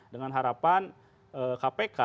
dengan harapan kpk